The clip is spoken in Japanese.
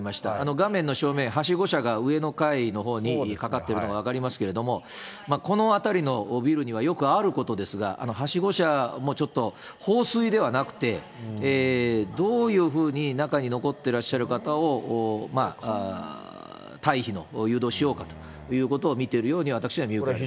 画面の正面、はしご車が上の階のほうにかかっているのが分かりますけれども、この辺りのビルには、よくあることですが、はしご車もちょっと放水ではなくて、どういうふうに中に残ってらっしゃる方を退避の誘導をしようかということを見ているように、私は見受けられます。